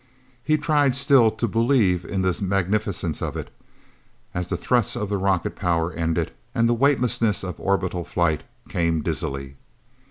He tried, still, to believe in the magnificence of it, as the thrust of rocket power ended, and the weightlessness of orbital flight came dizzily.